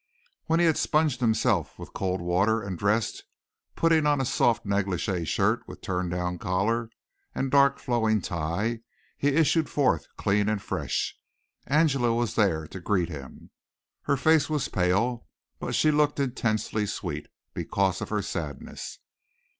When he had sponged himself with cold water and dressed, putting on a soft negligée shirt with turn down collar and dark flowing tie, he issued forth clean and fresh. Angela was there to greet him. Her face was pale but she looked intensely sweet because of her sadness.